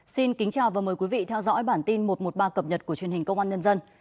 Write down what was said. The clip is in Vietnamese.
xin kính chào và mời quý vị theo dõi bản tin một trăm một mươi ba cập nhật của truyền hình công an nhân dân